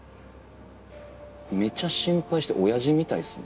めちゃ心配してオヤジみたいっすね。